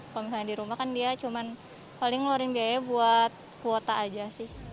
kalau misalnya di rumah kan dia cuma paling ngeluarin biaya buat kuota aja sih